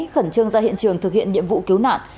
khẩn trương ra hiện trường thực hiện nhiệm vụ cứu nạn